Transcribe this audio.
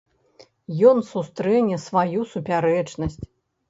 Ён сустрэне сваю супярэчнасць.